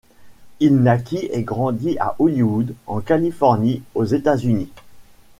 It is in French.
Il naquit et grandit à Hollywood, en Californie, aux États-Unis.